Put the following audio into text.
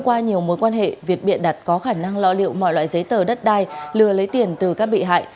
gió liệu mọi loại giấy tờ đất đai lừa lấy tiền từ các bị hại